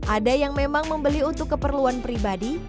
ada yang memang membeli untuk keperluan pribadi